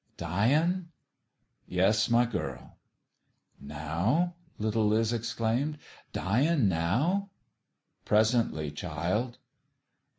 '' "Dyin'?" " Yes, my girl." "Now ?" little Liz exclaimed. " Dyin' now f " "Presently, child."